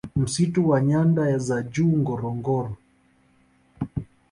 Msitu wa nyanda za Juu Ngorongoro